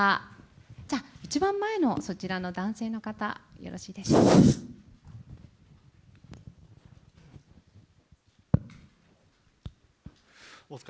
じゃあ一番前のそちらの男性の方、よろしいでしょうか。